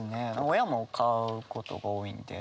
親も買うことが多いんで。